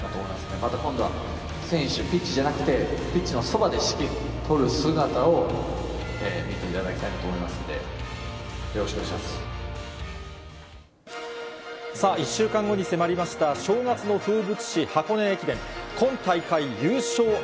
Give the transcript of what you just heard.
また今度は、選手、ピッチじゃなくて、ピッチのそばで指揮執る姿を見ていただきたいなと思いますんで、さあ、１週間後に迫りました正月の風物詩、箱根駅伝。